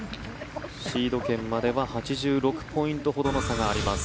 シード権までは８６ポイントほどの差があります。